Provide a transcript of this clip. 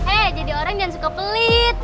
eh jadi orang jangan suka pelit